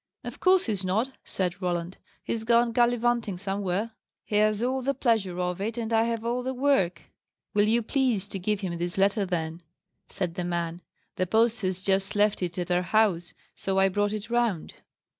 "Of course he's not," said Roland. "He's gone gallivanting somewhere. He has all the pleasure of it, and I have all the work." "Will you please to give him this letter, then?" said the man. "The post has just left it at our house, so I brought it round."